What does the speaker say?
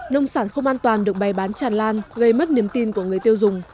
nông sản không an toàn được bày bán tràn lan gây mất niềm tin của người tiêu dùng